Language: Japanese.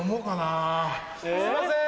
すいません